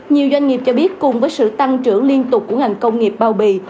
nhiều doanh nghiệp cho biết cùng với sự tăng trưởng liên tục của ngành công nghiệp bao bì